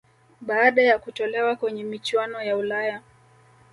Baada ya kutolewa kwenye michuano ya ulaya